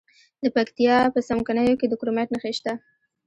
د پکتیا په څمکنیو کې د کرومایټ نښې شته.